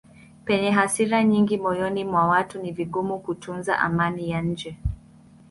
Penye hasira nyingi moyoni mwa watu ni vigumu kutunza amani ya nje.